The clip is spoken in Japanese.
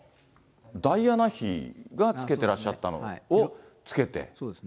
ダイアナ妃がつけてらっしゃったのをつけて。